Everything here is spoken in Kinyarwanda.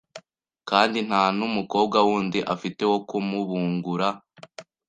kandi nta n’umukowa wundi afite wo kumubungura